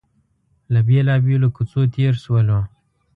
له بېلابېلو کوڅو تېر شولو.